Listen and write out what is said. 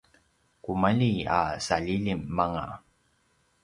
kumalji a salilim anga